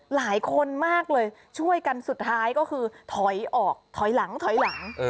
หลายคนมากเลยช่วยกันสุดท้ายก็คือถอยออกถอยหลังถอยหลัง